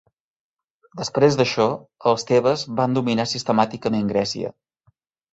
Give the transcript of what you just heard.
Després d'això, els Tebes van dominar sistemàticament Grècia.